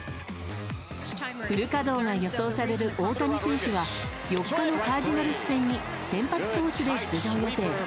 フル稼働が予想される大谷選手は４日のカージナルス戦に先発投手で出場予定。